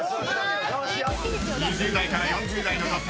［２０代から４０代の女性］